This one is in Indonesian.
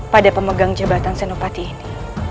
pada pemegang jabatan senopati ini